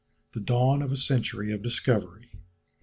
THE DAWN OF A CENTURY OF DISCOVERY.